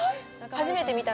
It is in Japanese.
初めて見た。